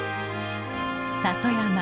里山。